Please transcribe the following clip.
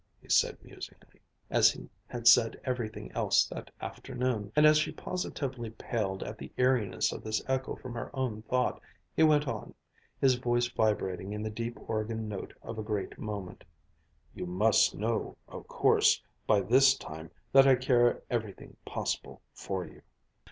he said musingly, as he had said everything else that afternoon: and as she positively paled at the eeriness of this echo from her own thought, he went on, his voice vibrating in the deep organ note of a great moment, "You must know, of course, by this time that I care everything possible for you."